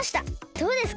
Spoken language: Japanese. どうですか？